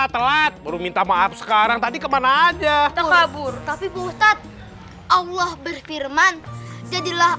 telat baru minta maaf sekarang tadi ke mana aja tak sabur tapi buktat allah berfirman jadilah